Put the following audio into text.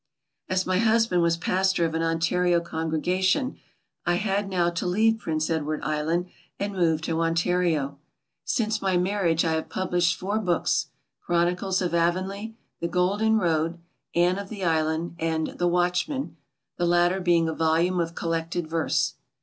As my husband was pasror of an Ontario congregation, I had now to leave Prince Edward Island and move to On tario. Since my marriage I have published four books. Chronicles of AvonUa, The GoUen Road, Anne of The Island, and The Watchman, the latter being a volume of collected verse.